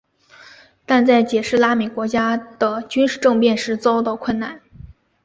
但在解释拉美国家的军事政变时遇到困难。